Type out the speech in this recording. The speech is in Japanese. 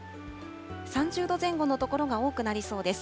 ３０度前後の所が多くなりそうです。